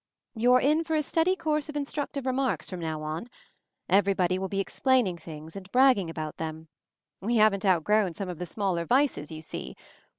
"You're in for a steady course of instruc tive remarks from now on. Everybody will be explaining things and bragging about them. We haven't outgrown some of the smaller vices, you see.